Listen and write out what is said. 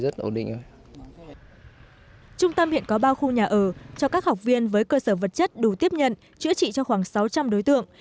trung tâm hiện có ba khu nhà ở cho các học viên với cơ sở vật chất đủ tiếp nhận chữa trị cho khoảng sáu trăm linh đối tượng